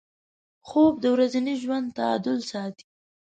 خوب د ورځني ژوند تعادل ساتي